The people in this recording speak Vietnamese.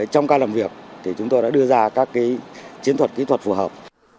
trong cao làm việc thì chúng tôi đã đưa ra các chiến thuật kỹ thuật phù hợp